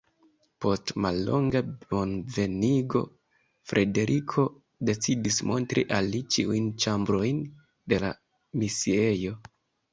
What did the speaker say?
Post mallonga bonvenigo Frederiko decidis montri al li ĉiujn ĉambrojn de la misiejo.